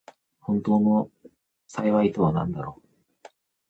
本当の幸いとはなんだろう。